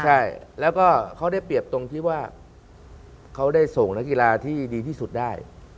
ใช่แล้วก็เขาได้เปรียบตรงที่ว่าเขาได้ส่งนักกีฬาที่ดีที่สุดได้